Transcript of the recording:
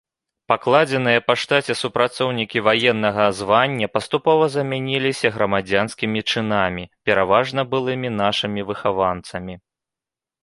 Пакладзеныя па штаце супрацоўнікі ваеннага звання паступова замяніліся грамадзянскімі чынамі, пераважна былымі нашымі выхаванцамі.